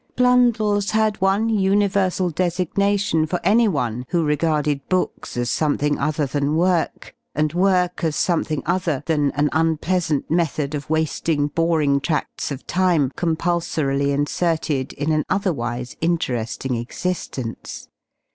BlundeWs had one universal designation for anyone who regarded books as something other than worky and work as something other than an unpleasant method of waiting boring tra&s of time compulsorily inserted vn an otherwise interesting existence.